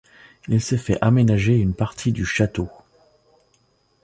Il s'est fait aménager une partie du château.